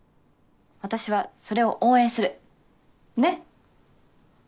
私はそれを応援するねっ？